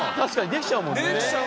できちゃうもんね。